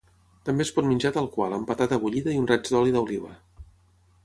També es pot menjar tal qual amb patata bullida i un raig d'oli d'oliva.